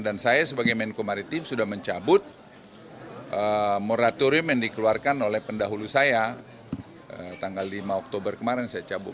dan saya sebagai menko maritim sudah mencabut moratorium yang dikeluarkan oleh pendahulu saya tanggal lima oktober kemarin saya cabut